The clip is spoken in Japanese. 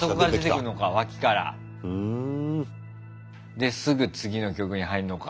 ですぐ次の曲に入るのか。